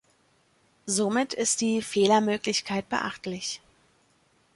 Somit ist die Fehlermöglichkeit beachtlich.